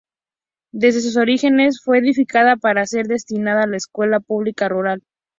Desde sus orígenes fue edificada para ser destinada a escuela pública rural.